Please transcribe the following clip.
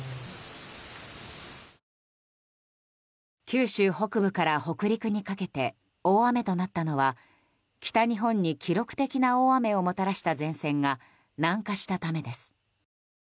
九州北部から北陸にかけて大雨となったのは北日本に記録的な大雨をもたらした前線が南下したためです。